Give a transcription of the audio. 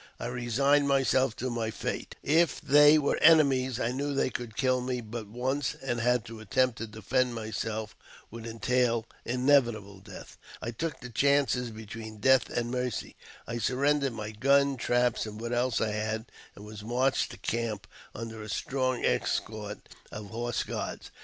I resigned myself to my fate : if they were enemies, I knew they could kill me but once, and to attempt to defend myself would entail inevitable death. I took the chances between death and mercy ; I surrendered my gun, traps, and what else I had, and was marched to camp under a strong escort of horse guards.